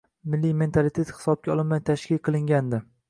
Milliy mentalitet hisobga olinmay tashkil qilingandi